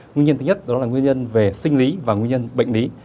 nguyên nhân thứ nhất đó là nguyên nhân về sinh lý và nguyên nhân bệnh lý